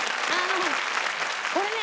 これね